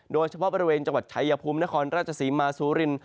โดยเฉพาะบริเวณจังหวัดชายภูมินครราชศรีมาซูริน